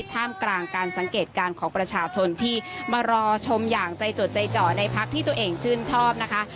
ท่ามกลางการสังเกตการณ์ของประชาชนที่มารอชมอย่างใจจดใจจ่อในพักที่ตัวเองชื่นชอบนะคะ